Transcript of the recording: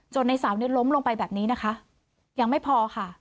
ในสาวเนี่ยล้มลงไปแบบนี้นะคะยังไม่พอค่ะ